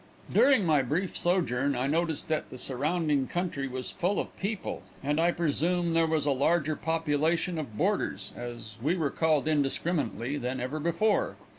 During my brief sojourn I noticed that the surrounding country was full of people, and I presume there was a larger population of "boarders," as we were called indiscriminately, than ever before.